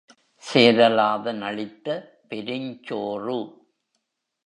சேரலாதன் அளித்த பெருஞ்சோறு.